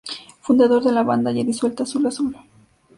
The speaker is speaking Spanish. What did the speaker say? Fundador de la banda ya disuelta Azul Azul.